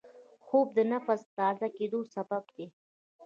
خوب د نفس د تازه کېدو سبب دی